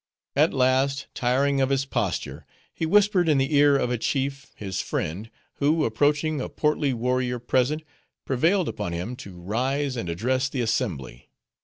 At last, tiring of his posture, he whispered in the ear of a chief, his friend; who, approaching a portly warrior present, prevailed upon him to rise and address the assembly.